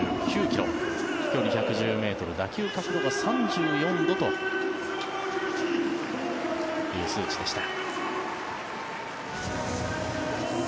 飛距離１１０ｍ、打球角度が３４度という数値でした。